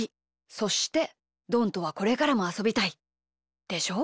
そしてどんとはこれからもあそびたいでしょ？